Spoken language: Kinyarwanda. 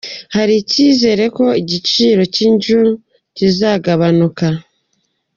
Hari icyizere ko igiciro cy’inzu kizagabanuka